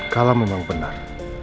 kalam memang benar